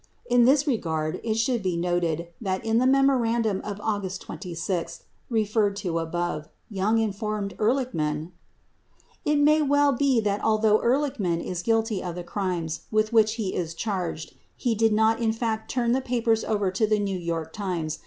85 In this regard it should be noted that in the memorandum of August 26, referred to above, Young informed Ehrlichman : It may well be that although Ellsberg is guilty of the crimes with which he is charged, he did not in fact turn the papers over to the New York Times.